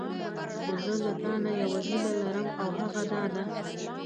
خو زه له تانه یوه هیله لرم او هغه دا ده.